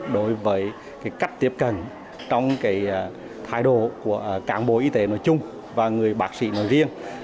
đối với cách tiếp cận trong thái độ của cảng bộ y tế nói chung và người bác sĩ nói riêng